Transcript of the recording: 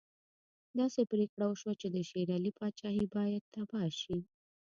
داسې پرېکړه وشوه چې د شېر علي پاچهي باید تباه شي.